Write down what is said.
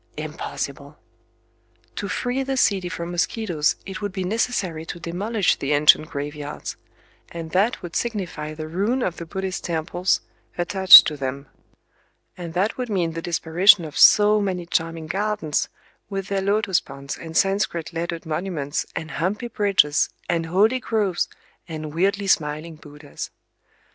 Impossible! To free the city from mosquitoes it would be necessary to demolish the ancient graveyards;—and that would signify the ruin of the Buddhist temples attached to them;—and that would mean the disparition of so many charming gardens, with their lotus ponds and Sanscrit lettered monuments and humpy bridges and holy groves and weirdly smiling Buddhas!